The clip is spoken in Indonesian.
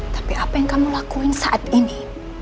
tapi apa yang kamu lakuin saat ini